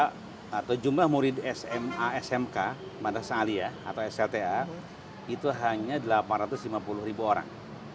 sejumlah murid sma smk mada saliah atau slta itu hanya delapan ratus lima puluh ribu orang